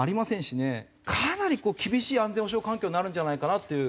かなり厳しい安全保障環境になるんじゃないかなという。